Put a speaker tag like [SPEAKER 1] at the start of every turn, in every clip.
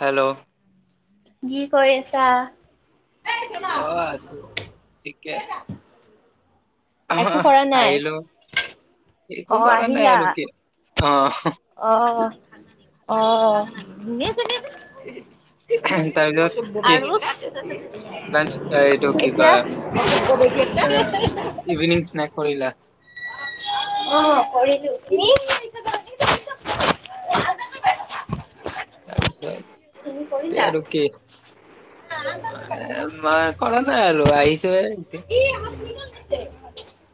[SPEAKER 1] Hello
[SPEAKER 2] কি কৰি আছা?
[SPEAKER 1] অ, আছো ঠিকে। আঁহ
[SPEAKER 2] একো কৰা নাই।
[SPEAKER 1] আহিলো
[SPEAKER 2] অ
[SPEAKER 1] একো কৰা নাই আৰু কি অহঁ
[SPEAKER 2] অঁহ অঁহ।
[SPEAKER 1] তাৰপিছত কি
[SPEAKER 2] আৰু
[SPEAKER 1] লাঞ্চ এইটো কি
[SPEAKER 2] এতিয়া
[SPEAKER 1] কয়
[SPEAKER 2] [unintelligible]
[SPEAKER 1] ইভিনিং স্নেক কৰিলা
[SPEAKER 2] অঁ কৰিলোঁ, তুমি?
[SPEAKER 1] তাৰপিছত
[SPEAKER 2] তুমি
[SPEAKER 1] তে
[SPEAKER 2] কৰিলা?
[SPEAKER 1] আৰু কি? মানে কৰা নাই আৰু আহিছোঁ হে এতিয়া।
[SPEAKER 2] [inaudible]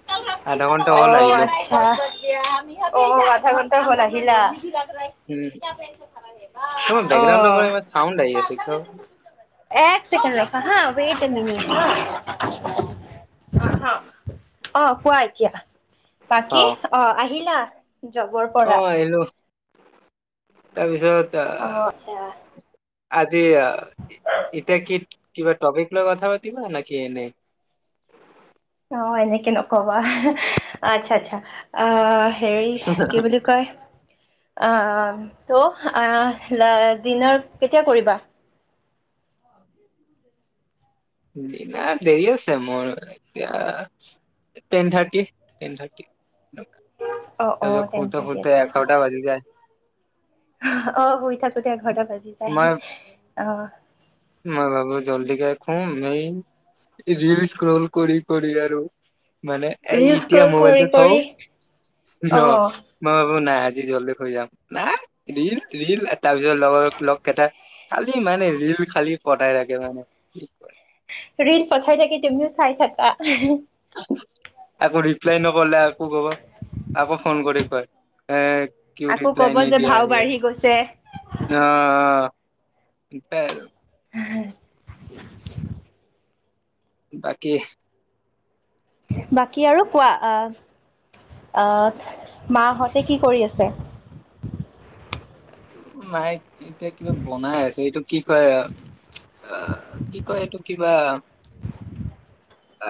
[SPEAKER 1] আধা ঘন্টা
[SPEAKER 2] অ
[SPEAKER 1] হ'ল আহিলো
[SPEAKER 2] আচ্ছা, অ আধা ঘণ্টা হল আহিলা।
[SPEAKER 1] উম তোমাৰ
[SPEAKER 2] অ।
[SPEAKER 1] বেকগ্ৰাউণ্ডৰ পৰা ইমান চাউণ্ড আহি আছে কিয়
[SPEAKER 2] এক চেকেণ্ড ৰখা হা ৱেইট এ মিনিট হা। অঁ কোৱা এতিয়া
[SPEAKER 1] অ
[SPEAKER 2] বাকী অঁ আহিলা জবৰ
[SPEAKER 1] অ
[SPEAKER 2] পৰা।
[SPEAKER 1] আহিলো, তাৰপিছত
[SPEAKER 2] অ আচ্ছা
[SPEAKER 1] আঁহ আজি ইতিয়া কি কিবা টপিক লৈ কথা পাতিবা নেকি এনেই।
[SPEAKER 2] অঁ এনেকে নকবা আচ্ছা আচ্ছা আ হেৰি কি বুলি কয়, অঁ ত অঁ ডিনাৰ কেতিয়া কৰিবা? [inaudible]
[SPEAKER 1] দিনাৰ দেৰি আছে, মোৰ এতিয়া টেন থাৰ্টি, টেন থাৰ্টি
[SPEAKER 2] অ অ টেন
[SPEAKER 1] শুউতে
[SPEAKER 2] থাৰ্টি
[SPEAKER 1] শুউতে
[SPEAKER 2] আচ্ছা আচ্ছা,
[SPEAKER 1] এঘাৰটা বাজি যায়।
[SPEAKER 2] অ শুই থাকোতে এঘৰটা বাজি
[SPEAKER 1] মই
[SPEAKER 2] যায়, অ
[SPEAKER 1] মই ভাবো জল্ডিকে শুম এই ৰিল স্কল কৰি কৰি আৰু। মানে এ
[SPEAKER 2] ৰিল
[SPEAKER 1] ইতিয়া
[SPEAKER 2] স্ক্ৰল কৰি
[SPEAKER 1] মবাইলটো থও
[SPEAKER 2] কৰি
[SPEAKER 1] ন।
[SPEAKER 2] অ
[SPEAKER 1] মই ভাবো নাই আজি জল্ডি শুই যাম নাই ৰিল ৰিল তাৰপিছত লগৰ লগ কেইটা খালি মানে ৰিল খালি পঠাই থাকে মানে কি কৰে।
[SPEAKER 2] ৰীল পঠাই থাকে, তুমিও চাই থাকা।
[SPEAKER 1] একো ৰিপ্লাই নকলে আকৌ কব। আকৌ ফোন কৰি কয়, এ কিয়
[SPEAKER 2] আকৌ কব
[SPEAKER 1] ৰিপ্লাই
[SPEAKER 2] যে
[SPEAKER 1] নিদিয়া
[SPEAKER 2] ভাও
[SPEAKER 1] এই
[SPEAKER 2] বাঢ়ি গৈছে
[SPEAKER 1] অঁ, হেনেকাই আৰু। বাকী
[SPEAKER 2] বাকী আৰু কোৱা, আঁহ আঁহ মাহঁতে কি কৰি আছে?
[SPEAKER 1] মাই এতিয়া কিবা বনাই আছে, এইটো কি কয় অ। আঁহ কি কয় এইটো কিবা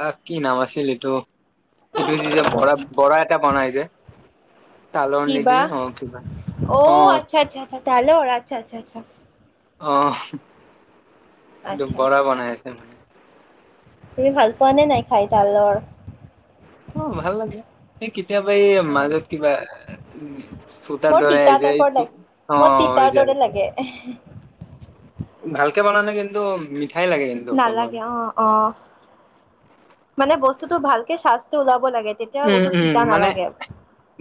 [SPEAKER 1] আঁহ কি নাম আছিল এইটো, এইটো যে বৰা বৰা এটা বনাই যে। তালৰ
[SPEAKER 2] কিবা
[SPEAKER 1] নেকি অঁ কিবা
[SPEAKER 2] অ
[SPEAKER 1] অঁ
[SPEAKER 2] আচ্ছা আচ্ছা তালৰ, আচ্ছা আচ্ছা আচ্ছা।
[SPEAKER 1] অ', এইটো
[SPEAKER 2] আচ্ছা
[SPEAKER 1] বৰা বনাই আছে মানে।
[SPEAKER 2] তুমি ভাল পোৱা নে নাই খাই তালৰ
[SPEAKER 1] অ [unintelligible] [unintelligible] কেতিয়াবা এই
[SPEAKER 2] অ
[SPEAKER 1] মাজত কিবা চতাৰ
[SPEAKER 2] বৰ
[SPEAKER 1] দৰে
[SPEAKER 2] তিতা
[SPEAKER 1] আহি যে এইটো অ', হৈ যায়
[SPEAKER 2] এহ
[SPEAKER 1] ভালকে বনালে কিন্তু মিঠাই লাগে। কিন্তু ক'ব গ'লে।
[SPEAKER 2] নালাগে অ', অ', মানে বস্তুটো ভালকে চাসটো ওলাব লাগে তেতিয়া তেতিয়া
[SPEAKER 1] উম
[SPEAKER 2] বস্তু
[SPEAKER 1] উম
[SPEAKER 2] তিতা
[SPEAKER 1] মানে
[SPEAKER 2] নালাগে।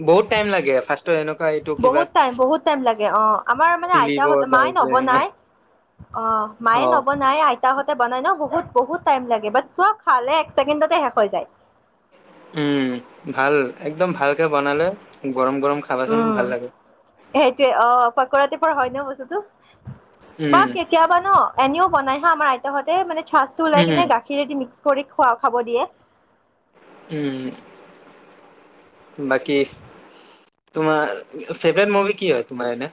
[SPEAKER 1] বহুত টাইম লাগে ফাষ্টত এনেকুৱাই
[SPEAKER 2] বহুত টাইম, বহুত টাইম লাগে অ', আমাৰ মানে
[SPEAKER 1] চিলিব
[SPEAKER 2] আইতাহঁতে মায়ে
[SPEAKER 1] তাৰপিছত
[SPEAKER 2] নবনাই
[SPEAKER 1] ইমান-
[SPEAKER 2] অ', মায়ে
[SPEAKER 1] অ
[SPEAKER 2] নবনাই আই তাহঁতে বনাই ন বহুত, বহুত টাইম লাগে বাট চব খালে এক ছেকেণ্ডতে শেষ হৈ যায়।
[SPEAKER 1] উম, ভাল একদম ভালকে বনালে গৰম, গৰম খাবা চন
[SPEAKER 2] উম
[SPEAKER 1] ভাল লাগে।
[SPEAKER 2] সেইটোৱে অ', পকৰা টাইপৰ হয় ন বস্তুটো বা
[SPEAKER 1] উম,
[SPEAKER 2] কেতিয়াবা ন এনেও বনাই হা আমাৰ আইতাহতে মানে চাচটো ওলাই
[SPEAKER 1] উম,
[SPEAKER 2] কেনে গাখ খিৰেদি মিক্স কৰি খোৱা খাব দিয়ে।
[SPEAKER 1] উম। বাকী তোমাৰ ফেভাৰেট মুভি কি হয় তোমাৰ এনে?